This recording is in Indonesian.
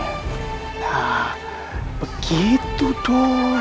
nah begitu don